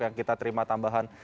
yang kita terima tambahan